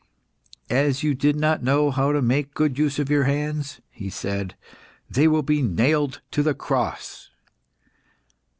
"As you did not know how to make a good use of your hands," he said, "they will be nailed to the cross."